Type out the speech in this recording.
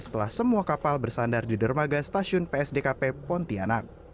setelah semua kapal bersandar di dermaga stasiun psdkp pontianak